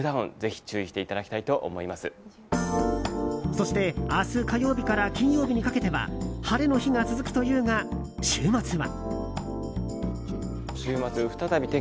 そして、明日火曜日から金曜日にかけては晴れの日が続くというが週末は。